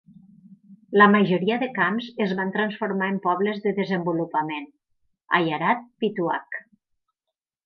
La majoria de camps es van transformar en Pobles de Desenvolupament - "Ayarat Pitu'ach".